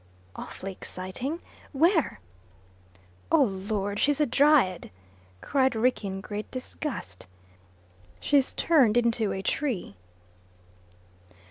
"Awfully exciting. Where?" "Oh Lord, she's a Dryad!" cried Rickie, in great disgust. "She's turned into a tree."